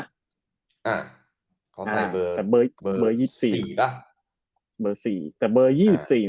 อ่าเขาใส่เบอร์๒๔นะ